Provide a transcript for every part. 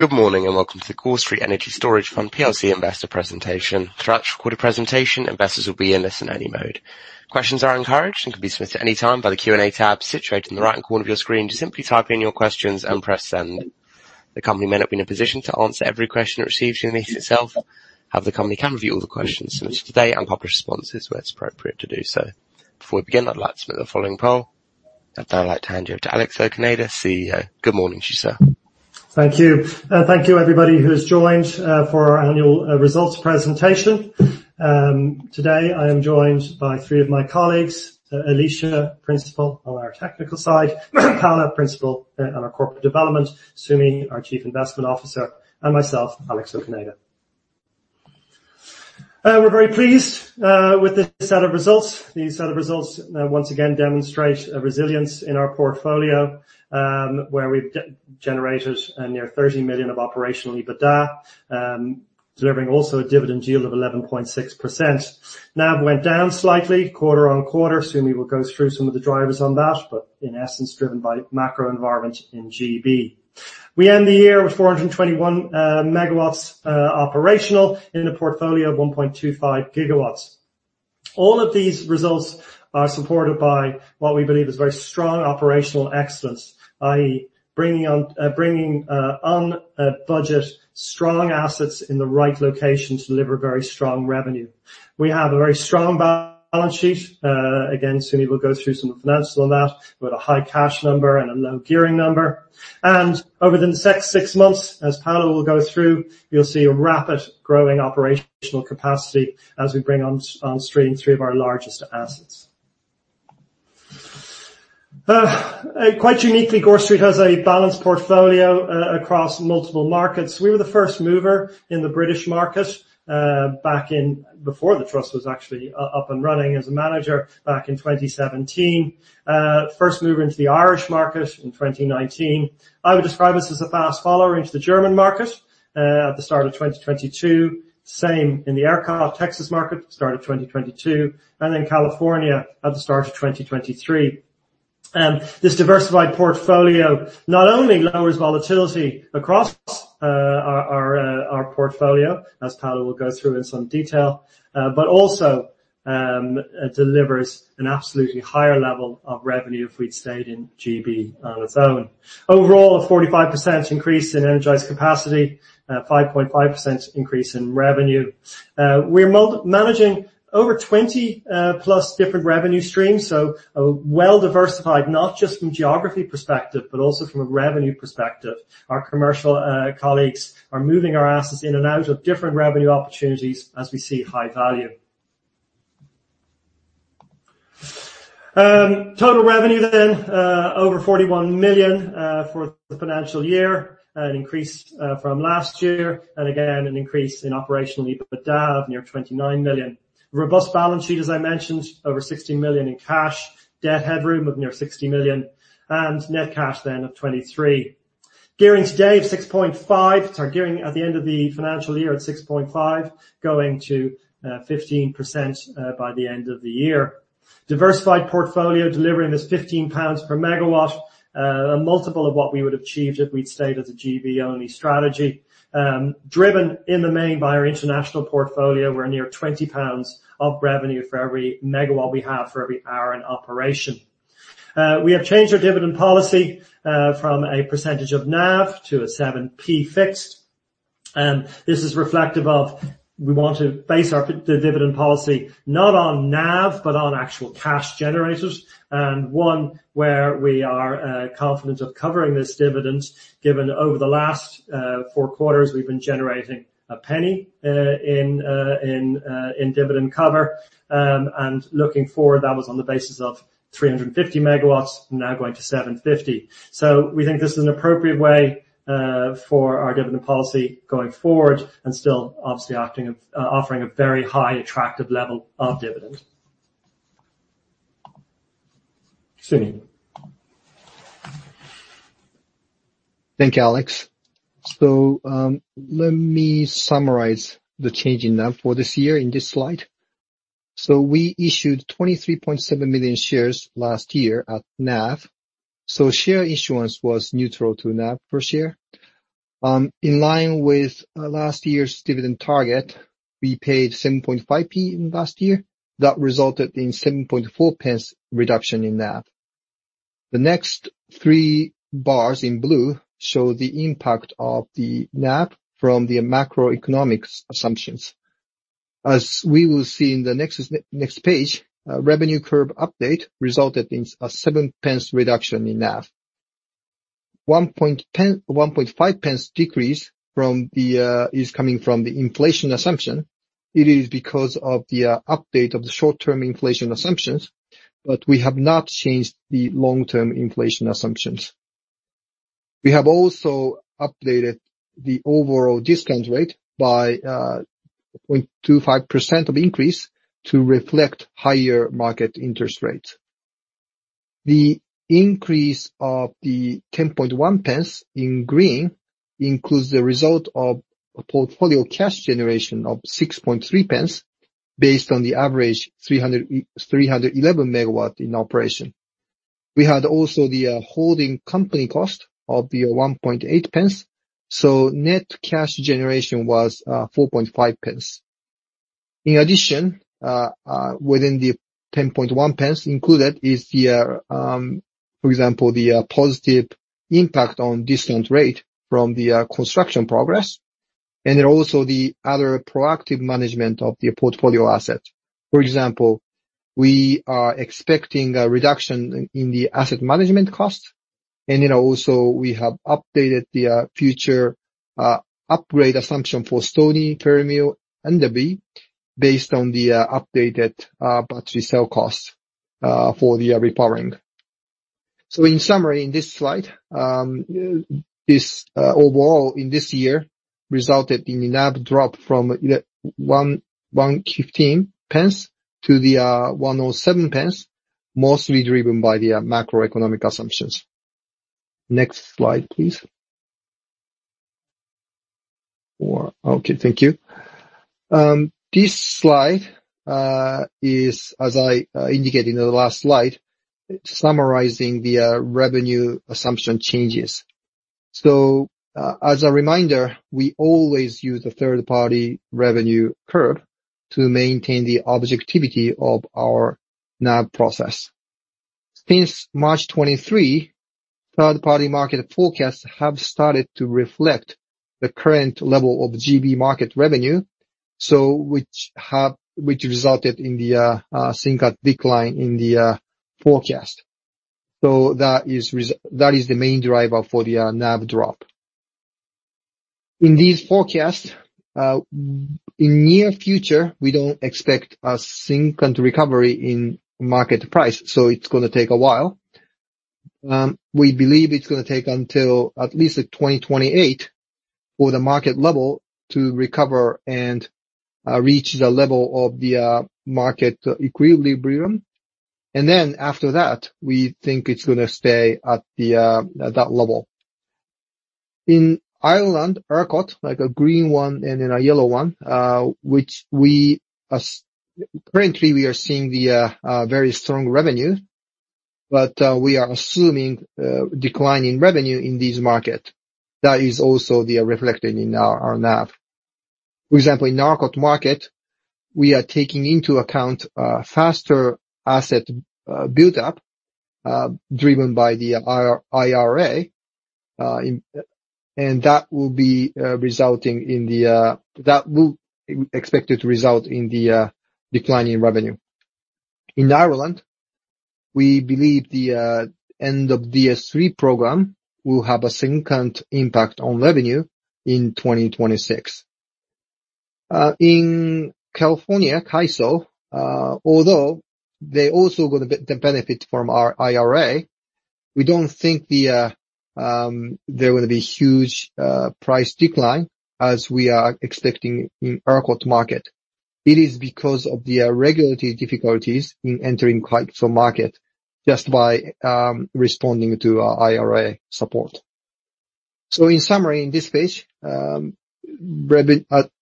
Good morning, and welcome to the Gore Street Energy Storage Fund PLC Investor Presentation. Throughout your quarter presentation, investors will be in listen only mode. Questions are encouraged and can be submitted at any time by the Q&A tab situated in the right-hand corner of your screen. Just simply type in your questions and press send. The company may not be in a position to answer every question it receives during this session itself, however, the company can review all the questions submitted today and publish responses where it's appropriate to do so. Before we begin, I'd like to submit the following poll. After, I'd like to hand you over to Alex O'Cinneide, CEO. Good morning to you, sir. Thank you. Thank you, everybody, who has joined for our annual results presentation. Today, I am joined by three of my colleagues, Alicia, Principal on our technical side, Paula, Principal on our corporate development, Sumi, our Chief Investment Officer, and myself, Alex O'Cinneide. We're very pleased with this set of results. These set of results once again demonstrate a resilience in our portfolio, where we've generated a near 30 million of operational EBITDA, delivering also a dividend yield of 11.6%. Now, it went down slightly quarter-on-quarter. Sumi will go through some of the drivers on that, but in essence, driven by macro environment in GB. We end the year with 421 MW operational in a portfolio of 1.25 GW. All of these results are supported by what we believe is very strong operational excellence, i.e., bringing on budget strong assets in the right location to deliver very strong revenue. We have a very strong balance sheet. Again, Sumi will go through some of the financials on that, with a high cash number and a low gearing number. Over the next six months, as Paula will go through, you'll see a rapid growing operational capacity as we bring onstream three of our largest assets. Quite uniquely, Gore Street has a balanced portfolio across multiple markets. We were the first mover in the British market back in before the trust was actually up and running as a manager back in 2017. First mover into the Irish market in 2019. I would describe us as a fast follower into the German market at the start of 2022. Same in the ERCOT Texas market, start of 2022, and then California at the start of 2023. This diversified portfolio not only lowers volatility across our portfolio, as Paula will go through in some detail, but also delivers an absolutely higher level of revenue if we'd stayed in GB on its own. Overall, a 45% increase in energized capacity, 5.5% increase in revenue. We're managing over 20+ different revenue streams, so well-diversified, not just from geography perspective, but also from a revenue perspective. Our commercial colleagues are moving our assets in and out of different revenue opportunities as we see high value. Total revenue then, over 41 million, for the financial year, an increase, from last year, and again, an increase in operational EBITDA of near 29 million. Robust balance sheet, as I mentioned, over 16 million in cash, debt headroom of near 60 million, and net cash then of 23 million. Gearing today of 6.5, sorry, gearing at the end of the financial year at 6.5, going to 15%, by the end of the year. Diversified portfolio delivering this 15 pounds per megawatt, a multiple of what we would have achieved if we'd stayed as a GB-only strategy. Driven in the main by our international portfolio, we're near 20 pounds of revenue for every megawatt we have for every hour in operation. We have changed our dividend policy from a percentage of NAV to a 0.07 fixed. This is reflective of we want to base the dividend policy, not on NAV, but on actual cash generators, and one where we are confident of covering this dividend, given over the last four quarters, we've been generating a penny in dividend cover. And looking forward, that was on the basis of 350 MW, now going to 750. So we think this is an appropriate way for our dividend policy going forward and still, obviously, acting of offering a very high, attractive level of dividend. Sumi? Thank you, Alex. Let me summarize the change in NAV for this year in this slide. We issued 23.7 million shares last year at NAV, so share issuance was neutral to NAV per share. In line with last year's dividend target, we paid 0.075 last year. That resulted in 0.074 reduction in NAV. The next three bars in blue show the impact of the NAV from the macroeconomic assumptions. As we will see in the next page, revenue curve update resulted in a 0.07 reduction in NAV. 0.015 pence decrease from the is coming from the inflation assumption. It is because of the update of the short-term inflation assumptions, but we have not changed the long-term inflation assumptions. We have also updated the overall discount rate by 0.25% increase to reflect higher market interest rates. The increase of the 0.101 in green includes the result of a portfolio cash generation of 0.063, based on the average 300- 311 MW in operation. We had also the holding company cost of the 0.18, so net cash generation was 0.045. In addition, within the 0.101 included is the, for example, the positive impact on discount rate from the construction progress, and then also the other proactive management of the portfolio asset. For example, we are expecting a reduction in the asset management cost, and then also we have updated the future upgrade assumption for Stony, Ferrymuir, and Enderby, based on the updated battery cell costs for the repowering. So in summary, in this slide, this overall in this year resulted in the NAV drop from 1.15 to 1.07, mostly driven by the macroeconomic assumptions. Next slide, please. Or okay, thank you. This slide is, as I indicated in the last slide, summarizing the revenue assumption changes. So, as a reminder, we always use the third-party revenue curve to maintain the objectivity of our NAV process. Since March 2023, third-party market forecasts have started to reflect the current level of GB market revenue, so which resulted in the significant decline in the forecast. So that is the main driver for the NAV drop. In these forecasts, in near future, we don't expect a significant recovery in market price, so it's gonna take a while. We believe it's gonna take until at least 2028 for the market level to recover and reach the level of the market equilibrium. And then after that, we think it's gonna stay at that level. In Ireland, ERCOT, like a green one and then a yellow one, which we as-currently, we are seeing the very strong revenue, but we are assuming decline in revenue in this market. That is also reflected in our NAV. For example, in the ERCOT market, we are taking into account faster asset build-up driven by the IRA in-and that will be expected to result in the decline in revenue. In Ireland, we believe the end of the DS3 program will have a significant impact on revenue in 2026. In California, CAISO, although they're also gonna benefit from our IRA, we don't think there will be huge price decline as we are expecting in the ERCOT market. It is because of the regulatory difficulties in entering the CAISO market just by responding to our IRA support. In summary, in this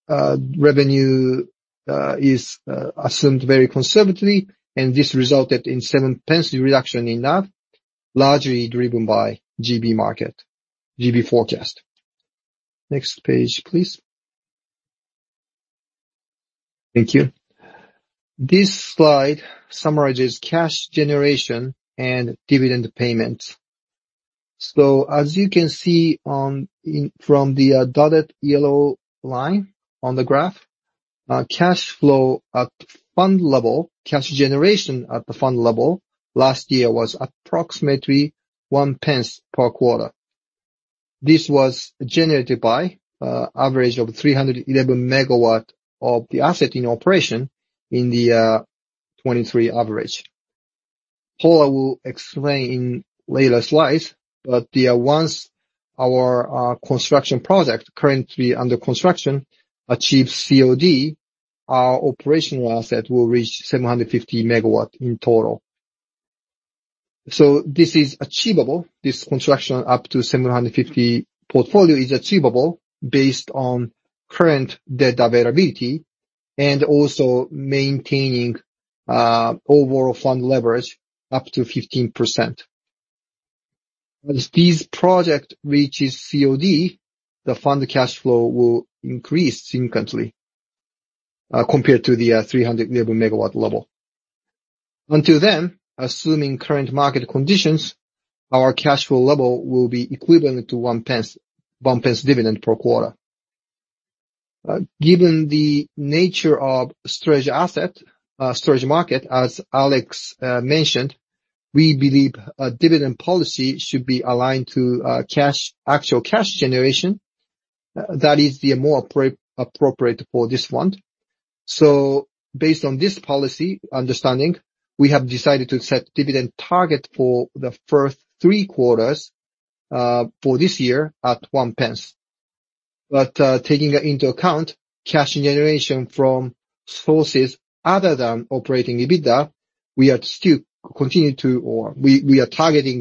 page, revenue is assumed very conservatively, and this resulted in 7 pence reduction in NAV, largely driven by GB market, GB forecast. Next page, please. Thank you. This slide summarizes cash generation and dividend payments. So as you can see from the dotted yellow line on the graph, cash flow at fund level, cash generation at the fund level last year was approximately 1 pence per quarter. This was generated by average of 311 MW of the asset in operation in the 2023 average. Paula will explain in later slides, but once our construction project currently under construction achieves COD, our operational asset will reach 750 MW in total. So this is achievable, this construction up to 750 portfolio is achievable based on current debt availability, and also maintaining, overall fund leverage up to 15%. As this project reaches COD, the fund cash flow will increase significantly, compared to the, 300 megawatt level. Until then, assuming current market conditions, our cash flow level will be equivalent to 0.01- 0.01 dividend per quarter. Given the nature of storage asset, storage market, as Alex, mentioned, we believe a dividend policy should be aligned to, cash, actual cash generation. That is the more appropriate for this fund. So based on this policy understanding, we have decided to set dividend target for the first three quarters, for this year at 0.01. But, taking into account cash generation from sources other than operating EBITDA, we are targeting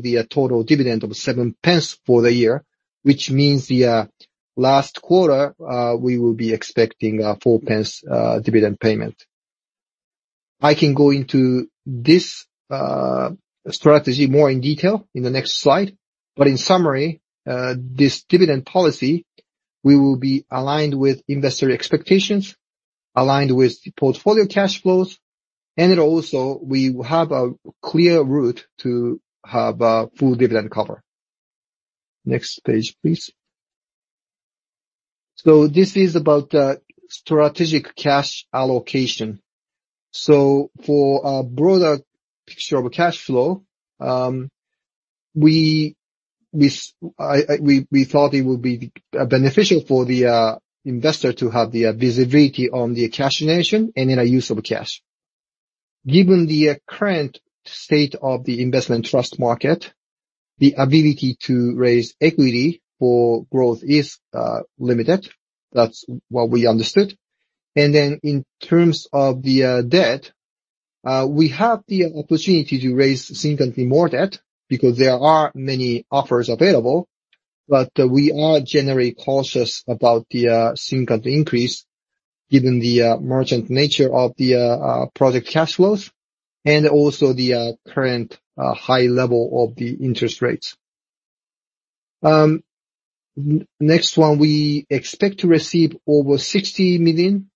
the total dividend of 0.07 for the year, which means the last quarter we will be expecting 0.04 dividend payment. I can go into this strategy more in detail in the next slide. But in summary, this dividend policy, we will be aligned with investor expectations, aligned with the portfolio cash flows, and it also, we have a clear route to have a full dividend cover. Next page, please. So this is about the strategic cash allocation. So for a broader picture of cash flow, we thought it would be beneficial for the investor to have the visibility on the cash generation and in a use of cash. Given the current state of the investment trust market, the ability to raise equity for growth is, limited. That's what we understood. And then in terms of the, debt, we have the opportunity to raise significantly more debt because there are many offers available, but we are generally cautious about the, significant increase given the, merchant nature of the, project cash flows and also the, current, high level of the interest rates. Next one, we expect to receive over $60 million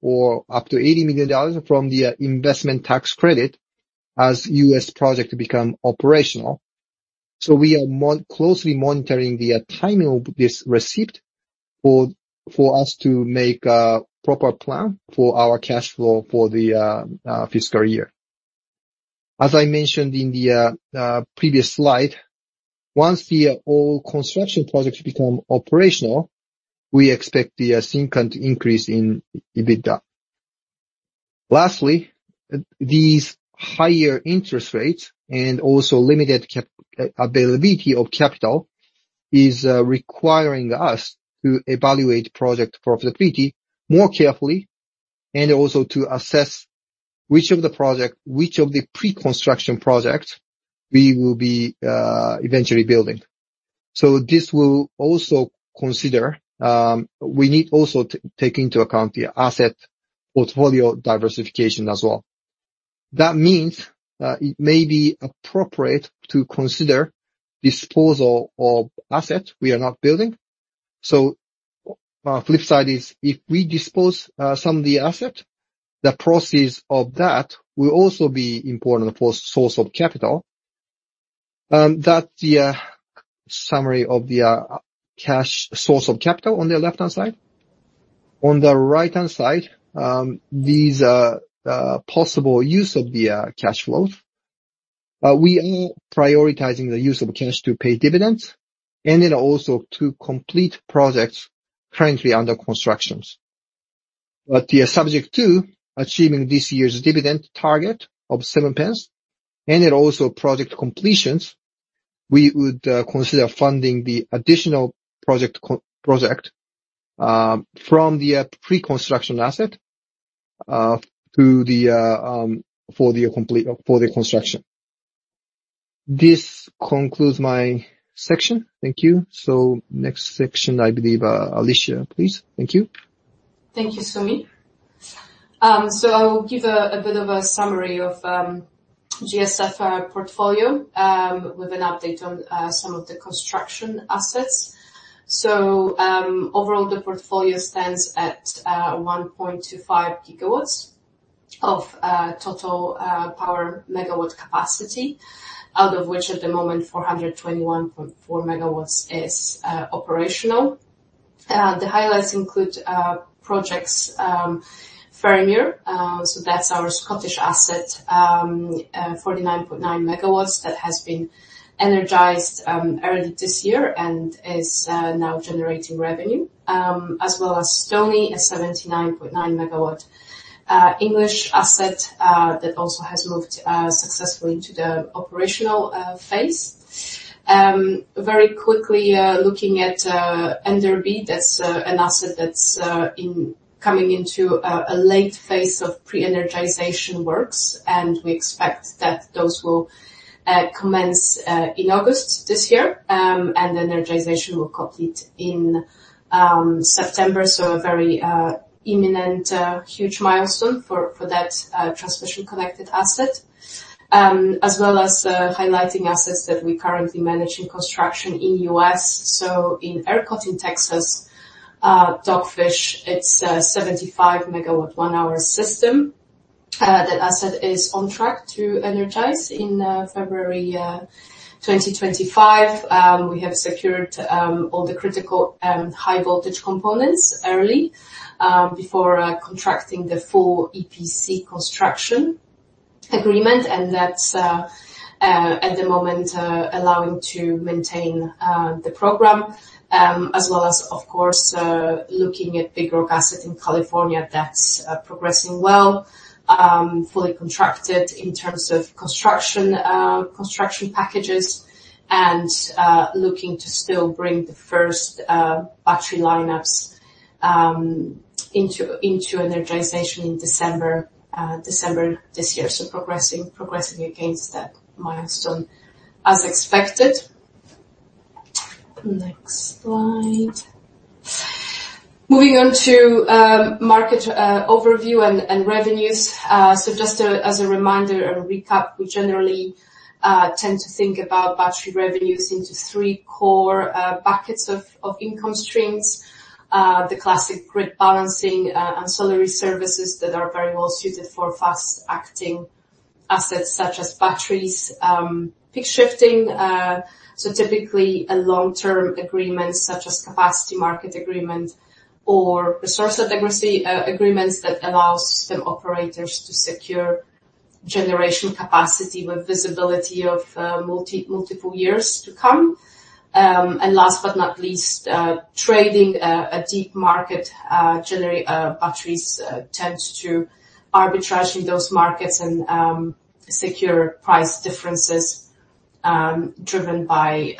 or up to $80 million from the Investment Tax Credit as U.S. project become operational. So we are closely monitoring the timing of this receipt for us to make a proper plan for our cash flow for the, fiscal year. As I mentioned in the previous slide, once all construction projects become operational, we expect the significant increase in EBITDA. Lastly, these higher interest rates and also limited cap availability of capital is requiring us to evaluate project profitability more carefully, and also to assess which of the pre-construction projects we will be eventually building. So this will also consider, we need also to take into account the asset portfolio diversification as well. That means, it may be appropriate to consider disposal of assets we are not building. So, flip side is if we dispose some of the assets, the proceeds of that will also be important for source of capital. That's the summary of the cash source of capital on the left-hand side. On the right-hand side, these are possible use of the cash flows. We are prioritizing the use of cash to pay dividends and then also to complete projects currently under constructions. But they are subject to achieving this year's dividend target of 0.07 and then also project completions. We would consider funding the additional project from the pre-construction asset to the construction. This concludes my section. Thank you. So next section, I believe, Alicia, please. Thank you. Thank you, Sumi. I'll give a bit of a summary of GSF portfolio with an update on some of the construction assets. Overall, the portfolio stands at 1.25 GW of total power megawatt capacity, out of which at the moment, 421.4 MW is operational. The highlights include projects, Ferrymuir, so that's our Scottish asset, 49.9 MW that has been energized early this year and is now generating revenue, as well as Stony, a 79.9 megawatt English asset that also has moved successfully into the operational phase. Very quickly, looking at Enderby, that's an asset that's incoming into a late phase of pre-energization works, and we expect that those will commence in August this year, and the energization will complete in September, so a very imminent huge milestone for that transmission connected asset. As well as highlighting assets that we currently manage in construction in the U.S. So in ERCOT, in Texas, Dogfish, it's a 75 MW one-hour system. That asset is on track to energize in February 2025. We have secured all the critical high voltage components early before contracting the full EPC construction agreement, and that's at the moment allowing to maintain the program as well as, of course, looking at Big Rock asset in California, that's progressing well, fully contracted in terms of construction packages and looking to still bring the first battery lineups into energization in December this year. So progressing against that milestone as expected. Next slide. Moving on to market overview and revenues. So just as a reminder and a recap, we generally tend to think about battery revenues into three core buckets of income streams. The classic grid balancing, ancillary services that are very well suited for fast-acting assets, such as batteries, peak shifting. So typically a long-term agreement, such as Capacity Market agreement or Resource Adequacy agreements that allows the operators to secure generation capacity with visibility of multiple years to come. And last but not least, trading, a deep market generation batteries tends to arbitrage in those markets and secure price differences, driven by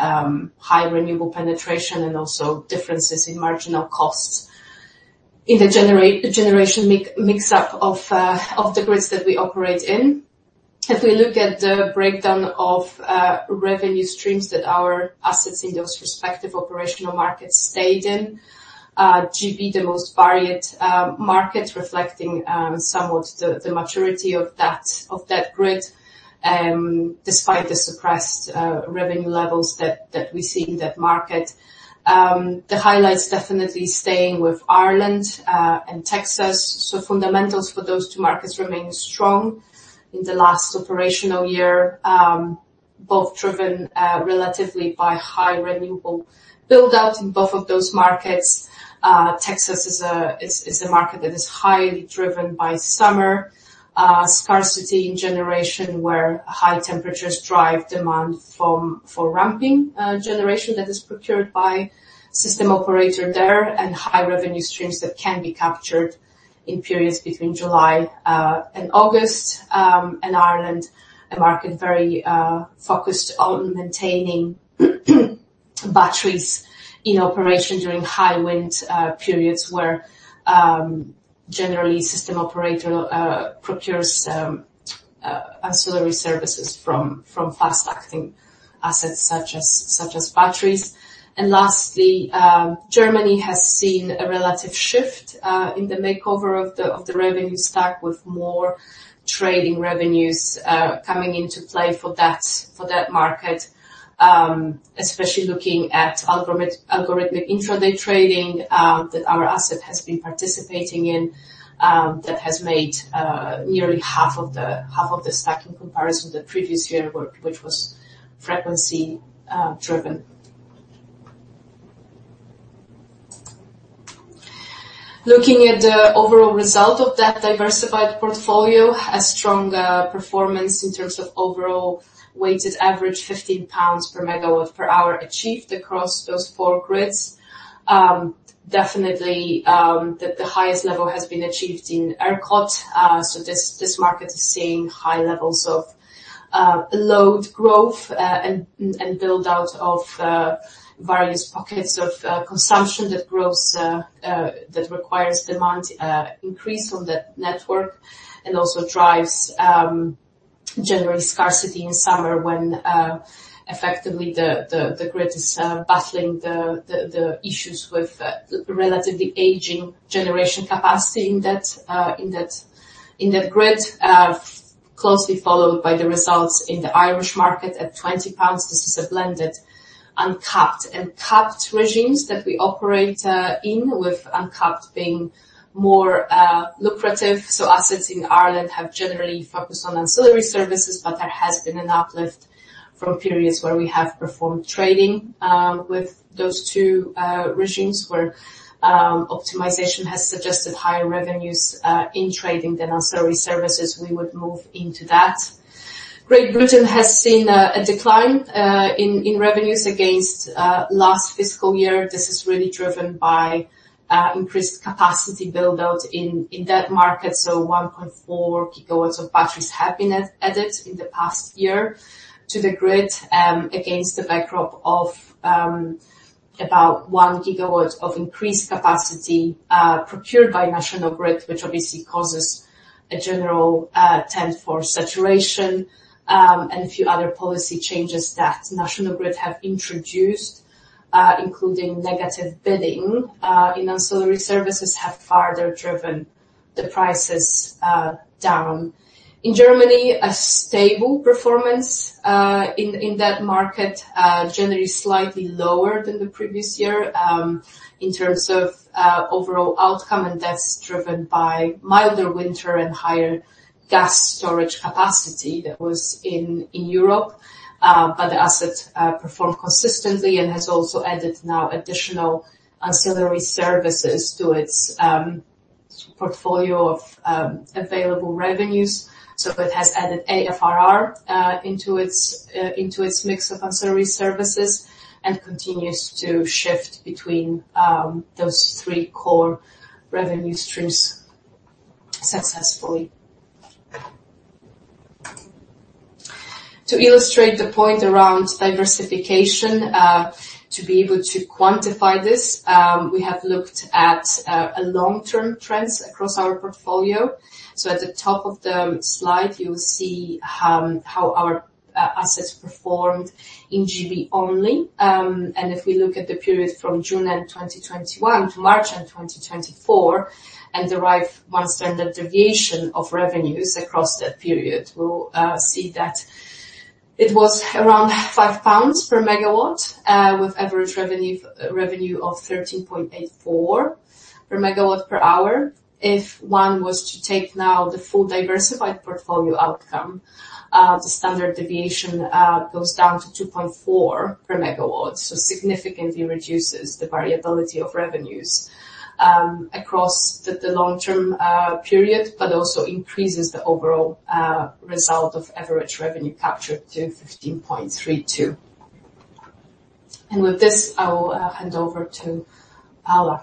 high renewable penetration and also differences in marginal costs in the generation mix of the grids that we operate in. If we look at the breakdown of revenue streams that our assets in those respective operational markets stayed in GB, the most varied market, reflecting some of the maturity of that grid, despite the suppressed revenue levels that we see in that market. The highlights definitely staying with Ireland and Texas. So fundamentals for those two markets remain strong in the last operational year, both driven relatively by high renewable build-out in both of those markets. Texas is a market that is highly driven by summer scarcity in generation, where high temperatures drive demand for ramping generation that is procured by system operator there, and high revenue streams that can be captured in periods between July and August. And Ireland, a market very focused on maintaining batteries in operation during high wind periods, where generally system operator procures ancillary services from fast-acting assets such as batteries. And lastly, Germany has seen a relative shift in the makeover of the revenue stack, with more trading revenues coming into play for that market, especially looking at algorithmic intraday trading that our asset has been participating in, that has made nearly half of the stack in comparison to the previous year, which was frequency driven. Looking at the overall result of that diversified portfolio, a strong performance in terms of overall weighted average, 15 pounds megawatts per hour achieved across those four grids. Definitely, the highest level has been achieved in ERCOT. So this market is seeing high levels of load growth, and build-out of various pockets of consumption that grows that requires demand increase on that network, and also drives generally scarcity in summer when effectively the grid is battling the issues with the relatively aging generation capacity in that grid. Closely followed by the results in the Irish market at 20 pounds. This is a blended uncapped and capped regimes that we operate in, with uncapped being more lucrative. So assets in Ireland have generally focused on ancillary services, but there has been an uplift from periods where we have performed trading with those two regimes, where optimization has suggested higher revenues in trading than ancillary services, we would move into that. Great Britain has seen a decline in revenues against last fiscal year. This is really driven by increased capacity build-out in that market, so 1.4 GW of batteries have been added in the past year to the grid against the backdrop of about 1 GW of increased capacity procured by National Grid, which obviously causes a general trend for saturation. And a few other policy changes that National Grid have introduced, including negative bidding in ancillary services, have further driven the prices down. In Germany, a stable performance in that market generally slightly lower than the previous year in terms of overall outcome, and that's driven by milder winter and higher gas storage capacity that was in Europe. But the asset performed consistently and has also added now additional ancillary services to its portfolio of available revenues. So it has added aFRR into its mix of ancillary services and continues to shift between those three core revenue streams successfully. To illustrate the point around diversification, to be able to quantify this, we have looked at a long-term trends across our portfolio. So at the top of the slide, you'll see how our assets performed in GB only. And if we look at the period from June 2021 to March 2024, and derive 1 standard deviation of revenues across that period, we'll see that it was around 5 pounds per megawatt, with average revenue of 13.84 GBP per megawatt per hour. If one was to take now the full diversified portfolio outcome, the standard deviation goes down to 2.4 GBP per megawatt. So significantly reduces the variability of revenues across the long term period, but also increases the overall result of average revenue captured to 15.32 GBP. And with this, I will hand over to Paula.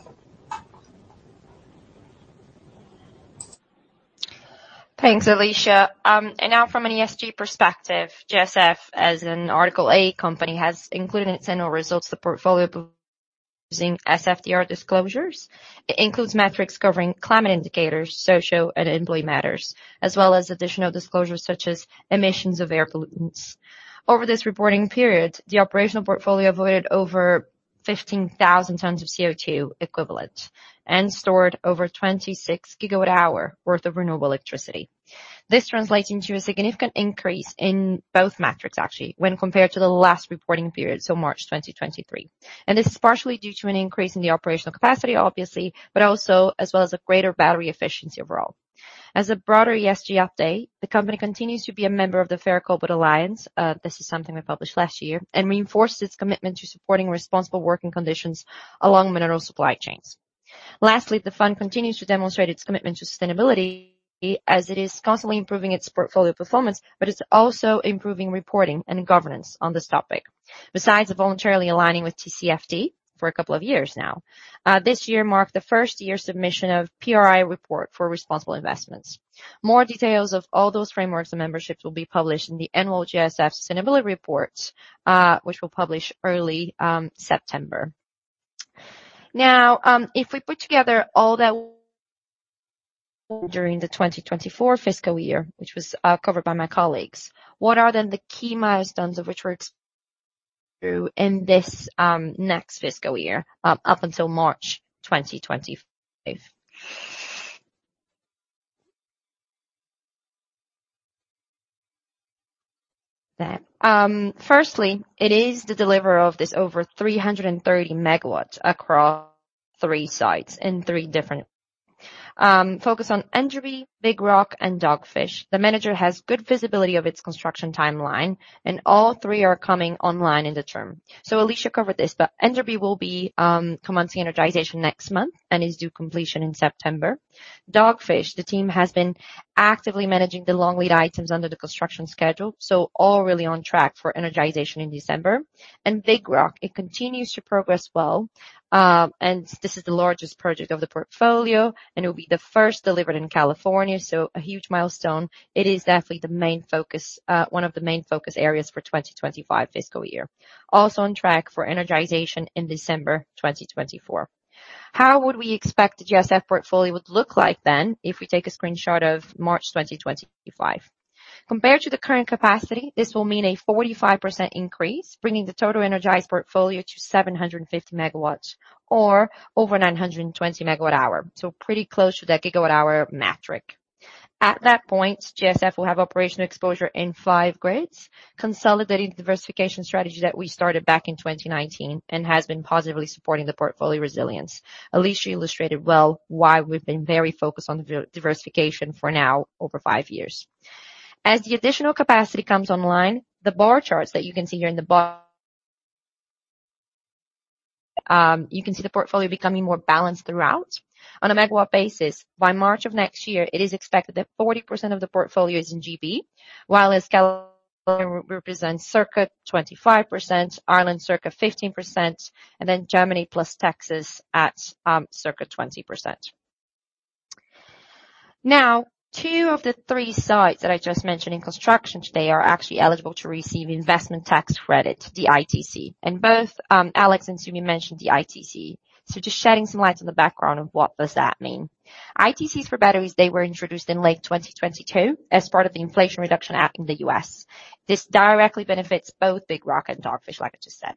Thanks, Alicia. And now from an ESG perspective, GSF, as an Article 8 company, has included in its annual results the portfolio using SFDR disclosures. It includes metrics covering climate indicators, social and employee matters, as well as additional disclosures such as emissions of air pollutants. Over this reporting period, the operational portfolio avoided over 15,000 tons of CO2 equivalent and stored over 26 GWh worth of renewable electricity. This translates into a significant increase in both metrics, actually, when compared to the last reporting period, so March 2023. And this is partially due to an increase in the operational capacity, obviously, but also as well as a greater battery efficiency overall. As a broader ESG update, the company continues to be a member of the Fair Cobalt Alliance, this is something we published last year, and reinforced its commitment to supporting responsible working conditions along mineral supply chains. Lastly, the fund continues to demonstrate its commitment to sustainability as it is constantly improving its portfolio performance, but it's also improving reporting and governance on this topic. Besides voluntarily aligning with TCFD for a couple of years now, this year marked the first year submission of PRI report for responsible investments. More details of all those frameworks and memberships will be published in the annual GSF Sustainability Report, which we'll publish early September. Now, if we put together all that during the 2024 fiscal year, which was, covered by my colleagues, what are then the key milestones of which we're through in this, next fiscal year, up until March 2025. Firstly, it is the delivery of this over 330 MW across three sites in three different, focus on Enderby, Big Rock and Dogfish. The manager has good visibility of its construction timeline, and all three are coming online in the term. So Alicia covered this, but Enderby will be, commencing energization next month and is due completion in September. Dogfish, the team has been actively managing the long lead items under the construction schedule, so all really on track for energization in December. Big Rock, it continues to progress well, and this is the largest project of the portfolio, and it will be the first delivered in California, so a huge milestone. It is definitely the main focus, one of the main focus areas for 2025 fiscal year; also on track for energization in December 2024. How would we expect the GSF portfolio would look like then if we take a screenshot of March 2025? Compared to the current capacity, this will mean a 45% increase, bringing the total energized portfolio to 750 MW or over 920 MWh, so pretty close to that GWh metric. At that point, GSF will have operational exposure in five grids, consolidating the diversification strategy that we started back in 2019, and has been positively supporting the portfolio resilience. Alicia illustrated well why we've been very focused on the diversification for now over five years. As the additional capacity comes online, the bar charts that you can see here in the bar you can see the portfolio becoming more balanced throughout. On a megawatt basis, by March of next year, it is expected that 40% of the portfolio is in GB, while as California represents circa 25%, Ireland circa 15%, and then Germany plus Texas at, circa 20%. Now, two of the three sites that I just mentioned in construction today are actually eligible to receive Investment Tax Credit, the ITC, and both, Alex and Sumi mentioned the ITC. So just shedding some light on the background of what does that mean. ITCs for batteries, they were introduced in late 2022 as part of the Inflation Reduction Act in the U.S. This directly benefits both Big Rock and Dogfish, like I just said.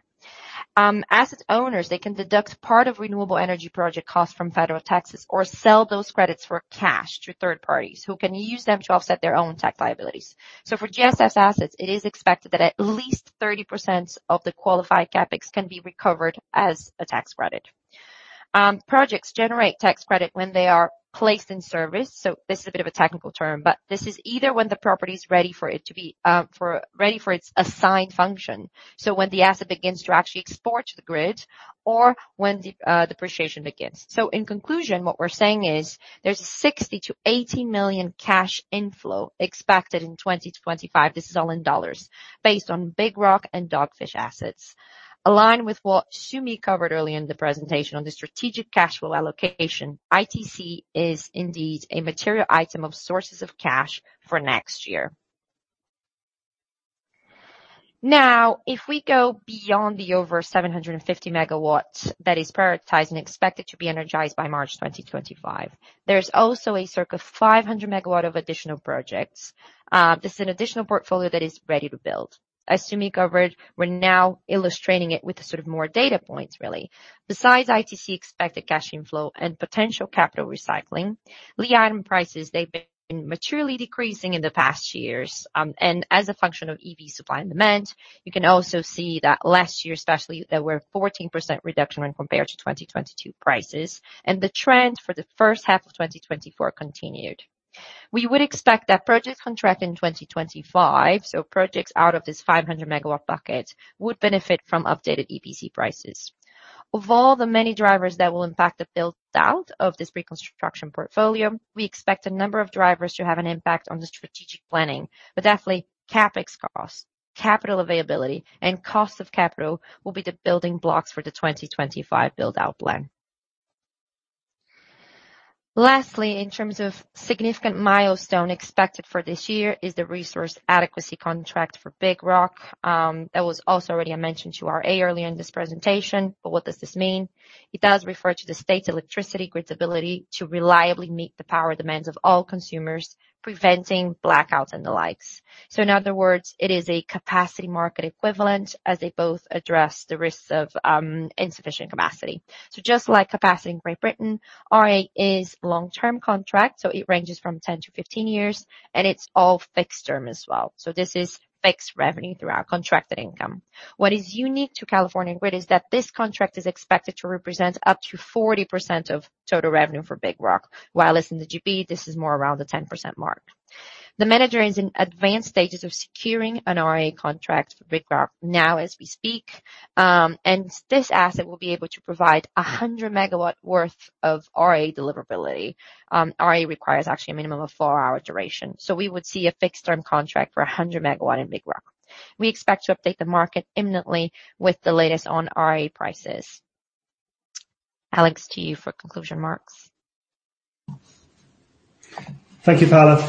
As its owners, they can deduct part of renewable energy project costs from federal taxes or sell those credits for cash to third parties, who can use them to offset their own tax liabilities. So for GSF assets, it is expected that at least 30% of the qualified CapEx can be recovered as a tax credit. Projects generate tax credit when they are placed in service; so this is a bit of a technical term, but this is either when the property is ready for it to be ready for its assigned function, so when the asset begins to actually export to the grid or when the depreciation begins. So in conclusion, what we're saying is there's a $60 million-$80 million cash inflow expected in 2025, this is all in dollars, based on Big Rock and Dogfish assets. Aligned with what Sumi covered earlier in the presentation on the strategic cash flow allocation, ITC is indeed a material item of sources of cash for next year. Now, if we go beyond the over 750 MW that is prioritized and expected to be energized by March 2025, there's also a circa 500 MW of additional projects. This is an additional portfolio that is ready to build. As Sumi covered, we're now illustrating it with sort of more data points, really. Besides ITC expected cash inflow and potential capital recycling, lithium prices, they've been materially decreasing in the past years. As a function of EV supply and demand, you can also see that last year, especially, there were 14% reduction when compared to 2022 prices, and the trend for the first half of 2024 continued. We would expect that projects contracted in 2025, so projects out of this 500 MW bucket, would benefit from updated EPC prices. Of all the many drivers that will impact the build-out of this pre-construction portfolio, we expect a number of drivers to have an impact on the strategic planning. But definitely, CapEx costs, capital availability, and cost of capital will be the building blocks for the 2025 build-out plan. Lastly, in terms of significant milestone expected for this year is the Resource Adequacy contract for Big Rock. That was also already mentioned to RA earlier in this presentation, but what does this mean? It does refer to the state's electricity grid's ability to reliably meet the power demands of all consumers, preventing blackouts and the likes. So in other words, it is a Capacity Market equivalent as they both address the risks of insufficient capacity. So just like capacity in Great Britain, RA is long-term contract, so it ranges from 10-15 years, and it's all fixed term as well. So this is fixed revenue through our contracted income. What is unique to California grid is that this contract is expected to represent up to 40% of total revenue for Big Rock, while in the GB, this is more around the 10% mark. The manager is in advanced stages of securing an RA contract for Big Rock now as we speak, and this asset will be able to provide 100 MW worth of RA deliverability. RA requires actually a minimum of 4-hour duration, so we would see a fixed-term contract for 100 MW in Big Rock. We expect to update the market imminently with the latest on RA prices. Alex, to you for concluding remarks. Thank you, Paula.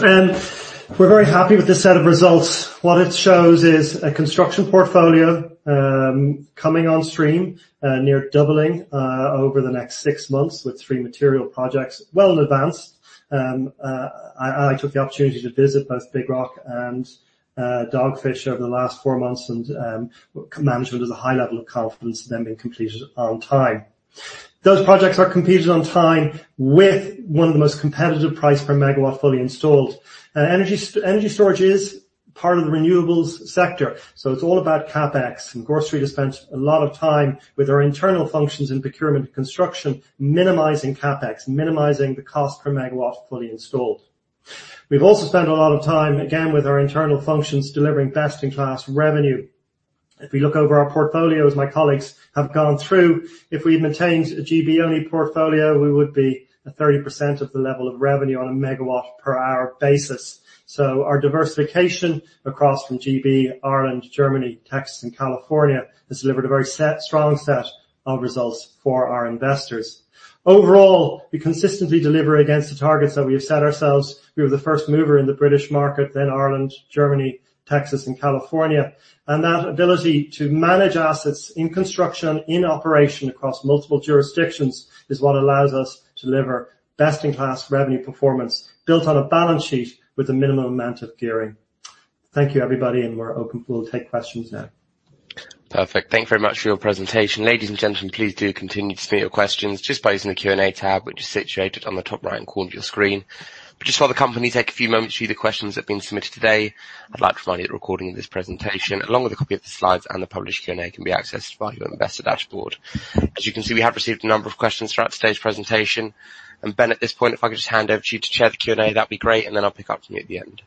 We're very happy with this set of results. What it shows is a construction portfolio coming on stream, near doubling over the next 6 months, with 3 material projects well advanced. I took the opportunity to visit both Big Rock and Dogfish over the last 4 months, and management has a high level of confidence in them being completed on time. Those projects are completed on time with one of the most competitive price per megawatt fully installed. Energy storage is part of the renewables sector, so it's all about CapEx, and Gore Street has spent a lot of time with our internal functions in procurement and construction, minimizing CapEx, minimizing the cost per megawatt fully installed. We've also spent a lot of time, again, with our internal functions, delivering best-in-class revenue. If we look over our portfolios, my colleagues have gone through, if we'd maintained a GB-only portfolio, we would be at 30% of the level of revenue on a megawatt per hour basis. So our diversification across from GB, Ireland, Germany, Texas and California, has delivered a very strong set of results for our investors. Overall, we consistently deliver against the targets that we have set ourselves. We were the first mover in the British market, then Ireland, Germany, Texas, and California. And that ability to manage assets in construction, in operation across multiple jurisdictions, is what allows us to deliver best-in-class revenue performance, built on a balance sheet with a minimum amount of gearing. Thank you, everybody, and we're open- we'll take questions now. Perfect. Thank you very much for your presentation. Ladies and gentlemen, please do continue to submit your questions just by using the Q&A tab, which is situated on the top right-hand corner of your screen. Just while the company take a few moments to view the questions that have been submitted today, I'd like to provide you the recording of this presentation, along with a copy of the slides, and the published Q&A can be accessed via our Investor dashboard. As you can see, we have received a number of questions throughout today's presentation, and Ben, at this point, if I could just hand over to you to chair the Q&A, that'd be great, and then I'll pick up from you at the end.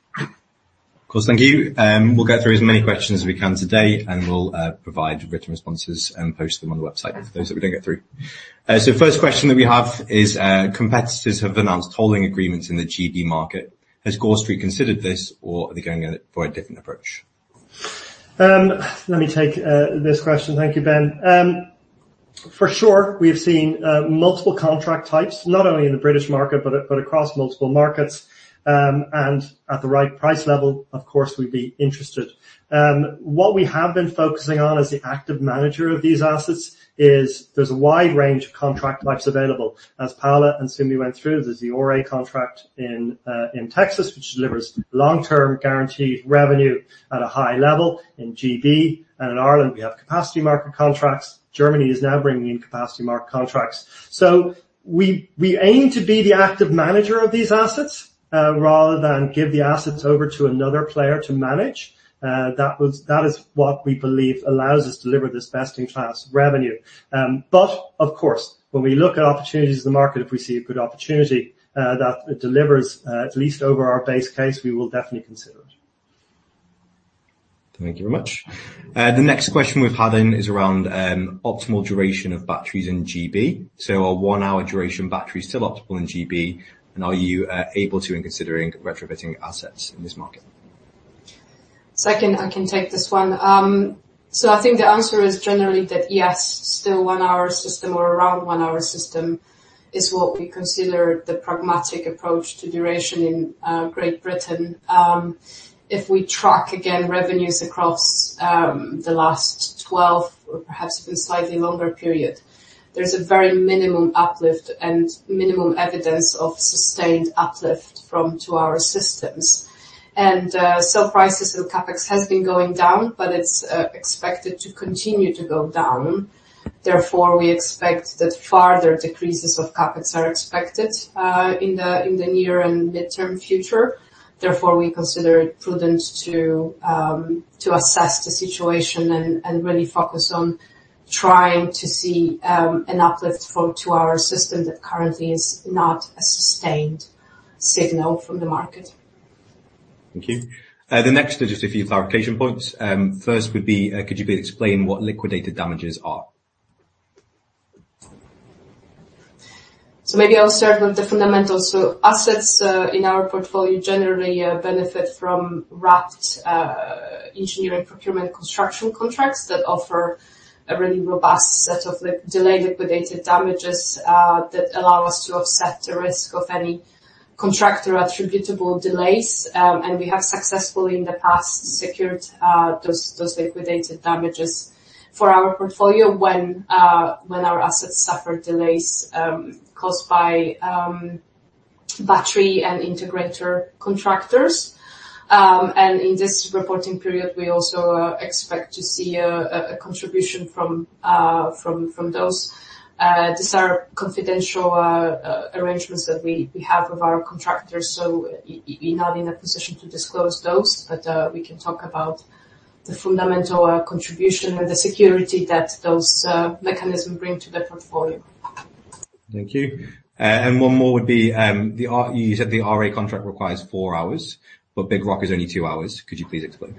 Of course. Thank you. We'll get through as many questions as we can today, and we'll provide written responses and post them on the website for those that we don't get through. So first question that we have is: Competitors have announced tolling agreements in the GB market. Has Gore Street considered this, or are they going for a different approach? Let me take this question. Thank you, Ben. For sure, we have seen multiple contract types, not only in the British market, but across multiple markets. And at the right price level, of course, we'd be interested. What we have been focusing on as the active manager of these assets is there's a wide range of contract types available. As Paula and Sumi went through, there's the RA contract in Texas, which delivers long-term guaranteed revenue at a high level. In GB and in Ireland, we have Capacity Market contracts. Germany is now bringing in Capacity Market contracts. So we aim to be the active manager of these assets, rather than give the assets over to another player to manage. That is what we believe allows us to deliver this best-in-class revenue. But of course, when we look at opportunities in the market, if we see a good opportunity, that delivers at least over our base case, we will definitely consider it. Thank you very much. The next question we've had in is around optimal duration of batteries in GB. So are one-hour duration batteries still optimal in GB, and are you able to, in considering retrofitting assets in this market? So I can, I can take this one. So I think the answer is generally that, yes, still one-hour system or around one-hour system, is what we consider the pragmatic approach to duration in Great Britain. If we track again revenues across the last 12 or perhaps even slightly longer period, there's a very minimum uplift and minimum evidence of sustained uplift from two-hour systems. And so prices and CapEx has been going down, but it's expected to continue to go down. Therefore, we expect that further decreases of CapEx are expected in the near and midterm future. Therefore, we consider it prudent to assess the situation and really focus on trying to see an uplift for two-hour system that currently is not a sustained signal from the market. Thank you. The next is just a few clarification points. First would be, could you please explain what liquidated damages are? So maybe I'll start with the fundamentals. So assets in our portfolio generally benefit from wrapped engineering procurement construction contracts that offer a really robust set of delayed liquidated damages that allow us to offset the risk of any contractor attributable delays. And we have successfully, in the past, secured those liquidated damages for our portfolio when our assets suffer delays caused by battery and integrator contractors. And in this reporting period, we also expect to see a contribution from those. These are confidential arrangements that we have with our contractors, so we're not in a position to disclose those. But we can talk about the fundamental contribution and the security that those mechanisms bring to the portfolio. Thank you. And one more would be, you said the RA contract requires four hours, but Big Rock is only two hours. Could you please explain?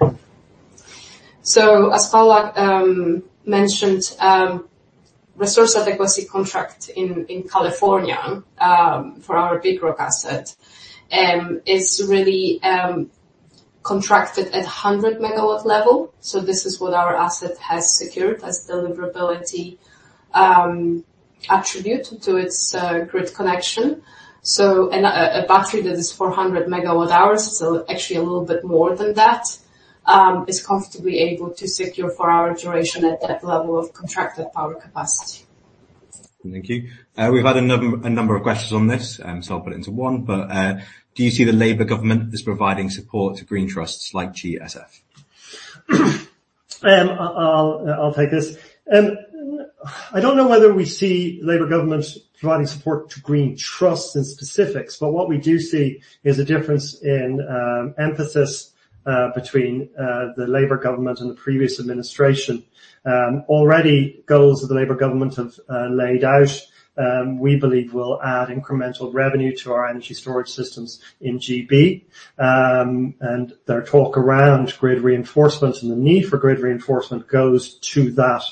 So as Paula mentioned, Resource Adequacy contract in California for our Big Rock asset is really contracted at 100 MW level. So this is what our asset has secured as deliverability attribute to its grid connection. So a battery that is 400 MWh, so actually a little bit more than that, is comfortably able to secure 4-hour duration at that level of contracted power capacity. Thank you. We've had a number of questions on this, so I'll put it into one. But, do you see the Labour government as providing support to green trusts like GSF? I'll take this. I don't know whether we see Labour government providing support to green trusts in specifics, but what we do see is a difference in emphasis between the Labour government and the previous administration. Already goals that the Labour government have laid out, we believe will add incremental revenue to our energy storage systems in GB. And their talk around grid reinforcement and the need for grid reinforcement goes to that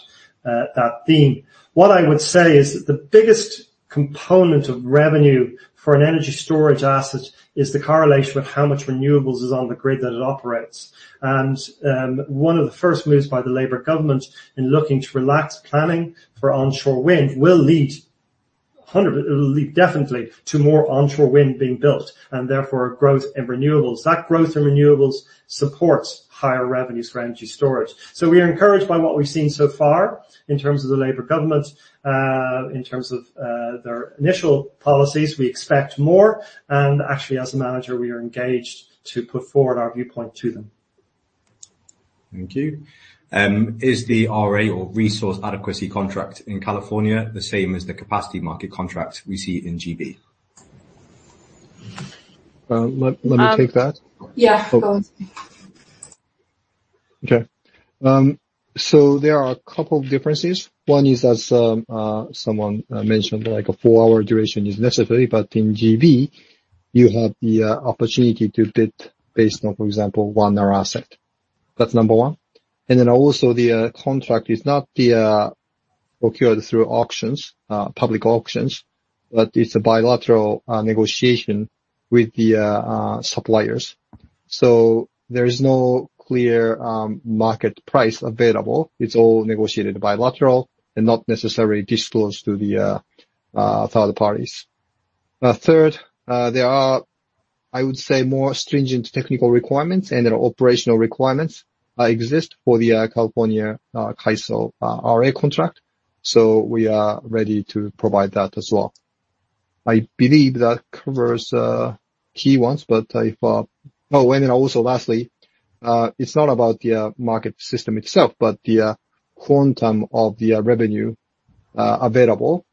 theme. What I would say is that the biggest component of revenue for an energy storage asset is the correlation of how much renewables is on the grid that it operates. And one of the first moves by the Labour government in looking to relax planning for onshore wind will lead hundred- It'll lead definitely to more onshore wind being built, and therefore, growth in renewables. That growth in renewables supports higher revenues for energy storage. So we are encouraged by what we've seen so far in terms of the Labour government, in terms of their initial policies. We expect more, and actually, as a manager, we are engaged to put forward our viewpoint to them. Thank you. Is the RA or Resource Adequacy Contract in California the same as the Capacity Market contract we see in GB? Let me take that. Yeah, of course. Okay. So there are a couple of differences. One is, as someone mentioned, like a 4-hour duration is necessary, but in GB, you have the opportunity to bid based on, for example, 1-hour asset. That's number one. And then also, the contract is not procured through auctions, public auctions, but it's a bilateral negotiation with the suppliers. So there is no clear market price available. It's all negotiated bilateral and not necessarily disclosed to the third parties. Third, there are, I would say, more stringent technical requirements, and there are operational requirements exist for the California CAISO RA contract, so we are ready to provide that as well. I believe that covers key ones, but if- Oh, and then also lastly, it's not about the market system itself, but the quantum of the revenue available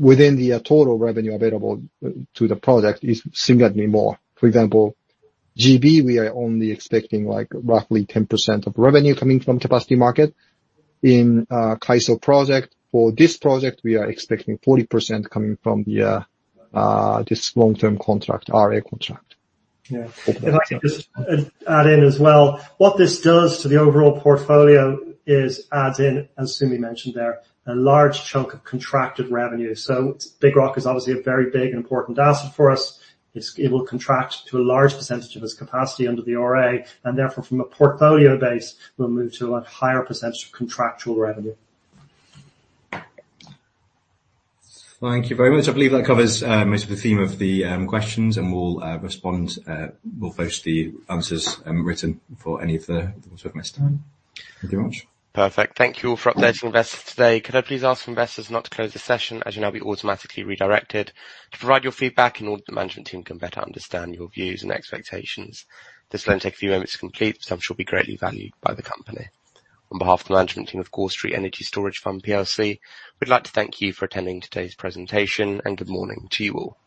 within the total revenue available to the project is significantly more. For example, GB, we are only expecting like roughly 10% of revenue coming from capacity market. In CAISO project, for this project, we are expecting 40% coming from this long-term contract, RA contract. Yeah. And I can just add in as well. What this does to the overall portfolio is adds in, as Sumi mentioned there, a large chunk of contracted revenue. So Big Rock is obviously a very big and important asset for us. It will contract to a large percentage of its capacity under the RA, and therefore, from a portfolio base, we'll move to a much higher percentage of contractual revenue. Thank you very much. I believe that covers most of the theme of the questions, and we'll respond, we'll post the answers written for any of the ones we've missed out. Thank you very much. Perfect. Thank you all for updating investors today. Could I please ask investors not to close the session, as you'll now be automatically redirected, to provide your feedback in order that the management team can better understand your views and expectations. This will only take a few moments to complete; such shall be greatly valued by the company. On behalf of the management team of Gore Street Energy Storage Fund PLC, we'd like to thank you for attending today's presentation, and good morning to you all.